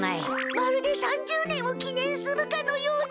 まるで３０年をきねんするかのような。